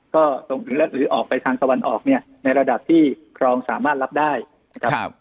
ก็ตรงถึงแล้วหรือออกไปทางสวรรค์ออกเนี่ยในระดับที่คลองสามารถรับได้ครับ